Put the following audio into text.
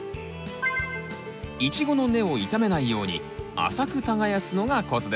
イチゴの根を傷めないように浅く耕すのがコツですよ。